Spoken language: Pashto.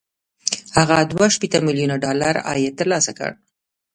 هغه دوه شپېته ميليونه ډالر عاید ترلاسه کړ